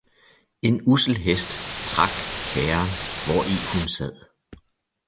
En ussel hest trak kærren, hvori hun sad